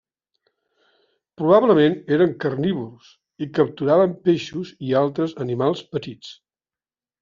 Probablement eren carnívors i capturaven peixos i altres animals petits.